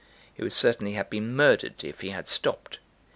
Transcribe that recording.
He would certainly have been murdered if he had stopped.